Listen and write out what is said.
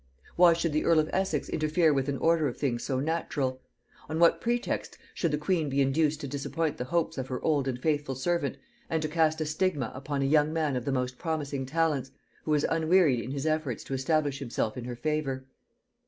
Why should the earl of Essex interfere with an order of things so natural? On what pretext should the queen be induced to disappoint the hopes of her old and faithful servant, and to cast a stigma upon a young man of the most promising talents, who was unwearied in his efforts to establish himself in her favor?